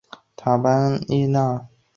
塔皮拉伊是巴西圣保罗州的一个市镇。